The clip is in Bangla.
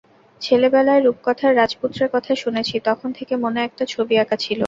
ছেলেবেলায় রূপকথার রাজপুত্রের কথা শুনেছি, তখন থেকে মনে একটা ছবি আঁকা ছিল।